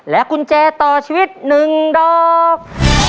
กุญแจต่อชีวิต๑ดอก